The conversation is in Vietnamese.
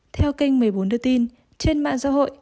theo kênh một mươi bốn đưa tin trên mạng xã hội